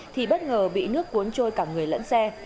thì bất ngờ bị nước cuốn trôi cả người lẫn xe